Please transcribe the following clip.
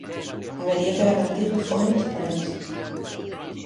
Habería que garantir fondos para isto.